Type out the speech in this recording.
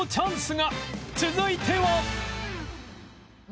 続いては